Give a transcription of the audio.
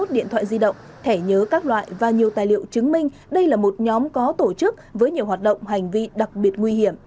hai mươi điện thoại di động thẻ nhớ các loại và nhiều tài liệu chứng minh đây là một nhóm có tổ chức với nhiều hoạt động hành vi đặc biệt nguy hiểm